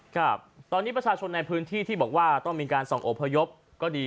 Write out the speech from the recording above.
ครับตอนนี้ประชาชนในพื้นที่ที่บอกว่าต้องมีการส่องอพยพก็ดี